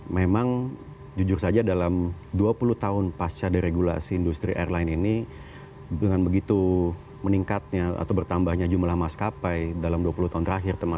memang jujur saja dalam dua puluh tahun pasca deregulasi industri airline ini dengan begitu meningkatnya atau bertambahnya jumlah maskapai dalam dua puluh tahun terakhir